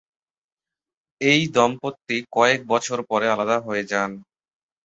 এই দম্পতি কয়েক বছর পরে আলাদা হয়ে যান।